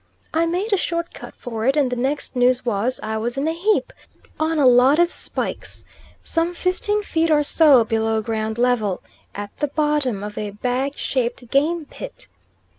I made a short cut for it and the next news was I was in a heap, on a lot of spikes, some fifteen feet or so below ground level, at the bottom of a bag shaped game pit.